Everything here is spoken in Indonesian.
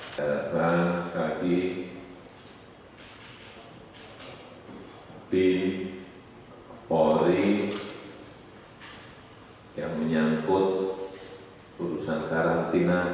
dan sekali lagi bin polri yang menyambut